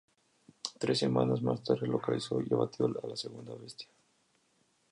Tres semanas más tarde, localizó y abatió a la segunda bestia.